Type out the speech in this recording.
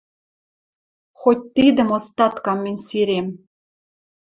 Хоть тидӹм остаткам мӹнь сирем